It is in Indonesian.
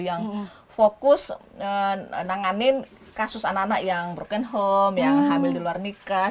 yang fokus menanganin kasus anak anak yang broken home yang hamil di luar nikah